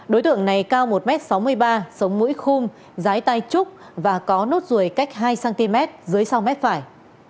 đối tượng này cao một m sáu mươi ba sống mũi khung giái tai trúc và có nốt ruồi cách hai cm dưới sau mết phải